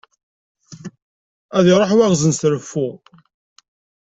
Ad iruḥ waɣzen s reffu.